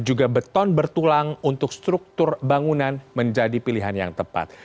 juga beton bertulang untuk struktur bangunan menjadi pilihan yang tepat